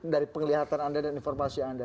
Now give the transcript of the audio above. dari penglihatan anda dan informasi anda